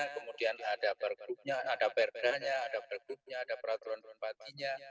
kemudian ada pergrupnya ada perda nya ada pergrupnya ada peraturan perpatinya